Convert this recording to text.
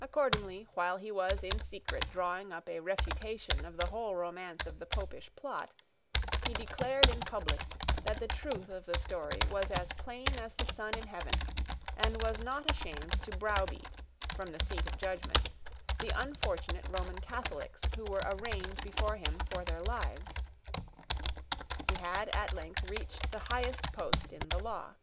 Accordingly, while he was in secret drawing up a refutation of the whole romance of the Popish plot, he declared in public that the truth of the story was as plain as the sun in heaven, and was not ashamed to browbeat, from the seat of judgment, the unfortunate Roman Catholics who were arraigned before him for their lives. He had at length reached the highest post in the law.